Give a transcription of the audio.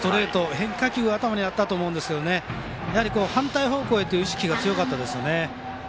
変化球が頭にあったと思うんですがやはり反対方向へという意識が強かったですね。